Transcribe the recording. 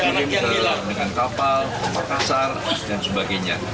sudah dikirim dengan kapal kasar dan sebagainya